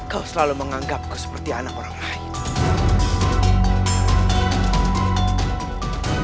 kau selalu menganggapku seperti anak orang lain